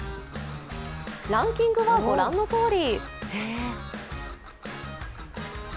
ランキングはご覧のとおり。